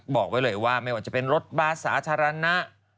บอกไว้เลยว่าไม่ว่าจะเป็นรถบาร์สาธารณะ